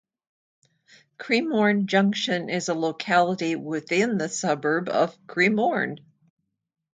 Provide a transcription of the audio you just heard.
Cremorne Junction is a locality within the suburb of Cremorne.